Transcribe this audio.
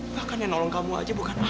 bahkan yang nolong kamu aja bukan apa